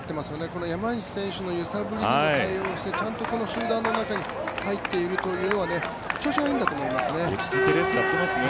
この山西選手の揺さぶりにも対応してちゃんと、この集団の中に入っているというのは調子がいいんだと思いますね。